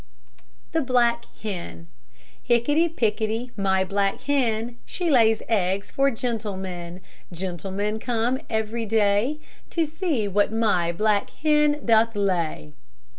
THE BLACK HEN Hickety, pickety, my black hen, She lays eggs for gentlemen; Gentlemen come every day To see what my black hen doth lay.